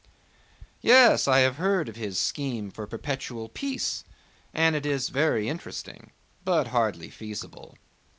"Yes, I have heard of his scheme for perpetual peace, and it is very interesting but hardly feasible."